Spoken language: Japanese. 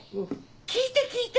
聞いて聞いて！